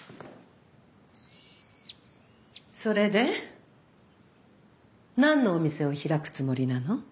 それで何のお店を開くつもりなの？